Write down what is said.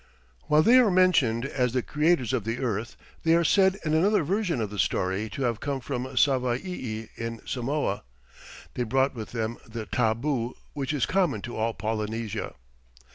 While they are mentioned as the creators of the earth, they are said in another version of the story to have come from Savaii in Samoa. They brought with them the tabu, which is common to all Polynesia.